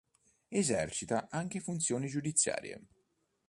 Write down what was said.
Esercita anche funzioni giudiziarie.